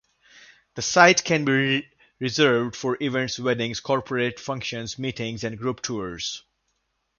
The site can be reserved for events, weddings, corporate functions, meetings and group tours.